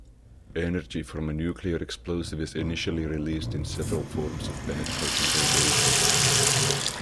Energy from a nuclear explosive is initially released in several forms of penetrating radiation.